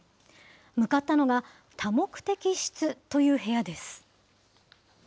向かったのが、多目的室という部屋です。